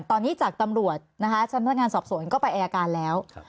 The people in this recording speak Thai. ตอนนี้จากตำรวจชำนาญาสอบส่วนก็ไปอายาการแล้ว